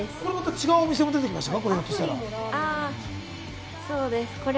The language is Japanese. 違うお店も出てきましたが。